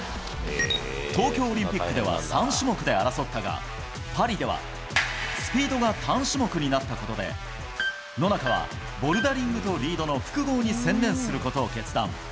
東京オリンピックでは３種目で争ったが、パリではスピードが単種目になったことで、野中はボルダリングとリードの複合に専念することを決断。